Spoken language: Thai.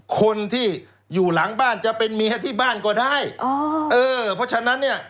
คนที่อยู่หลังบ้านจะเป็นเมียที่บ้านก็ได้อ๋อเออเพราะฉะนั้นเนี่ย